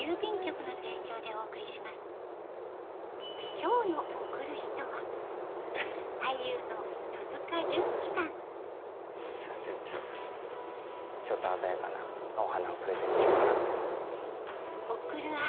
今日のちょっと鮮やかなお花をプレゼントしようかな。